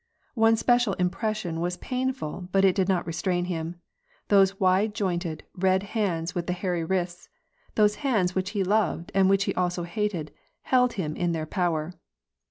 One special impression was pauifal, but it did not restrain him : those wide jointed, red hands with the hairy wrists, those hands which he loved and which he also hated, held him in their power.